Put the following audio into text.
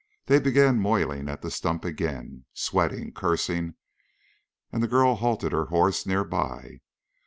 They began moiling at the stump again, sweating, cursing, and the girl halted her horse near by.